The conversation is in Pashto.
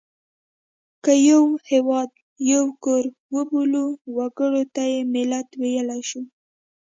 که یو هېواد یو کور وبولو وګړو ته یې ملت ویلای شو.